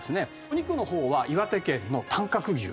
お肉の方は岩手県の短角牛。